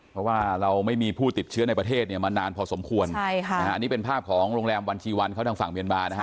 เพราะว่าเราไม่มีผู้ติดเชื้อในประเทศเนี่ยมานานพอสมควรใช่ค่ะนะฮะอันนี้เป็นภาพของโรงแรมวันชีวันเขาทางฝั่งเมียนมานะฮะ